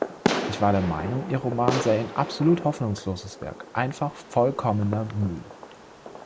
Ich war der Meinung, ihr Roman sei ein absolut hoffnungsloses Werk, einfach vollkommener Müll.